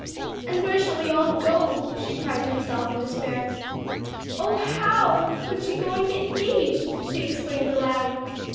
"And where shall we all go?" she cried to herself in despair. "Oh, how could she go and get engaged!" she exclaimed aloud.